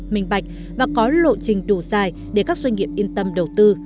minh bạch và có lộ trình đủ dài để các doanh nghiệp yên tâm đầu tư